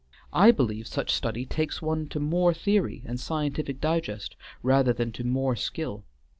I believe such study takes one to more theory and scientific digest rather than to more skill.